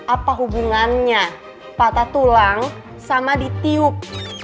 apa hubungannya patah tulang sama ditiup